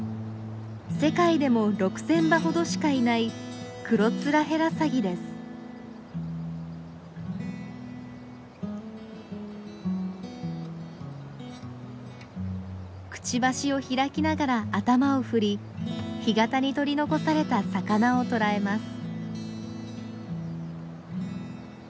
世界でも６，０００羽ほどしかいないくちばしを開きながら頭を振り干潟に取り残された魚を捕らえます。